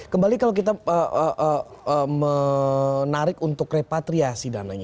kembali kalau kita menarik untuk repatriasi dananya